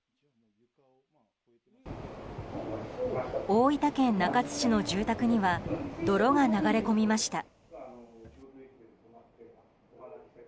大分県中津市の住宅には泥が流れ込みました。